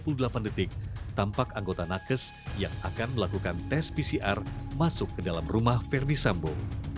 sama sama pada jam lima belas tiga puluh tujuh tiga puluh delapan tampak anggota nakes yang akan melakukan tes pcr masuk ke dalam rumah verdi sambo